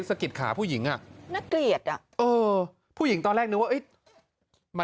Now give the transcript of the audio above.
สะกิดขาผู้หญิงอ่ะน่าเกลียดอ่ะเออผู้หญิงตอนแรกนึกว่าเอ้ยมัน